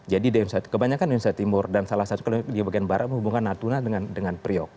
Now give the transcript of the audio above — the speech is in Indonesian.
jadi kebanyakan di indonesia timur dan salah satu di bagian barat menghubungkan natuna dengan priok